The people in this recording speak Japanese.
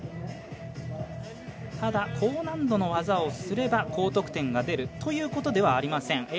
ただ、高難度の技をすれば高得点が出るということではありません。